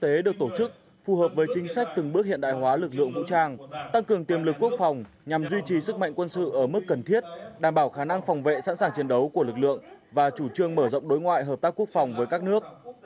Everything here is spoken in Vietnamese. kinh tế được tổ chức phù hợp với chính sách từng bước hiện đại hóa lực lượng vũ trang tăng cường tiềm lực quốc phòng nhằm duy trì sức mạnh quân sự ở mức cần thiết đảm bảo khả năng phòng vệ sẵn sàng chiến đấu của lực lượng và chủ trương mở rộng đối ngoại hợp tác quốc phòng với các nước